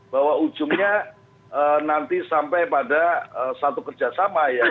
bahwa ujungnya nanti sampai pada satu kerjasama ya